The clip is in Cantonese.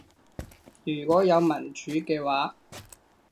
如果有民主嘅話